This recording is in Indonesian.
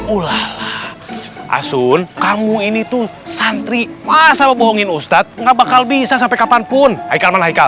ulala asun kamu ini tuh santri masa bohongin ustadz nggak bakal bisa sampai kapanpun haikal mana haikal